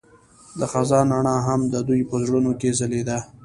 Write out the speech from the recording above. د خزان رڼا هم د دوی په زړونو کې ځلېده.